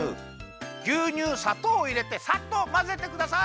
ぎゅうにゅうさとうをいれてさっとまぜてください。